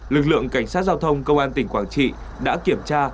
lực lượng cảnh sát giao thông công an tỉnh quảng trị đã kiểm tra